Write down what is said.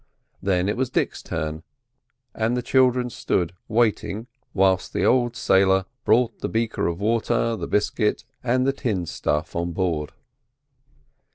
Then it was Dick's turn, and the children stood waiting whilst the old sailor brought the beaker of water, the biscuit, and the tinned stuff on board.